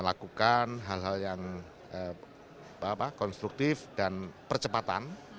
melakukan hal hal yang konstruktif dan percepatan